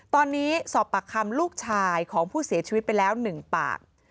ตอนนี้สอบปากคำลูกชายของผู้เสียชีวิตไปแล้ว๑ปาก